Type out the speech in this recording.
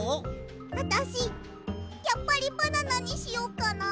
あたしやっぱりバナナにしよっかな。